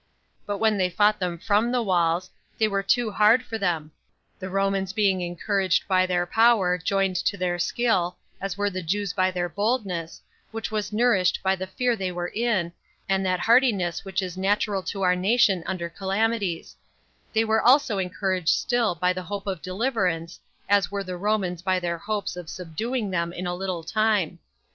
But when they fought them from the walls, they were too hard for them; the Romans being encouraged by their power, joined to their skill, as were the Jews by their boldness, which was nourished by the fear they were in, and that hardiness which is natural to our nation under calamities; they were also encouraged still by the hope of deliverance, as were the Romans by their hopes of subduing them in a little time.